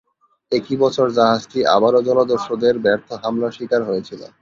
একই বছর জাহাজটি আবারো জলদস্যুদের ব্যর্থ হামলার শিকার হয়েছিল।